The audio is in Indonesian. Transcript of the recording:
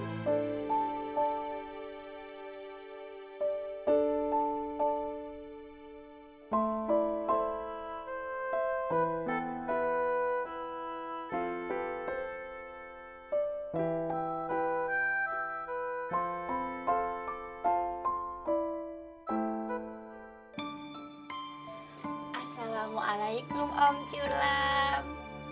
assalamu'alaikum om sulam